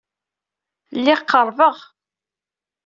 Lliɣ qerbeɣ.